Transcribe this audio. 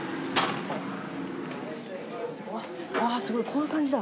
あぁすごいこういう感じだ。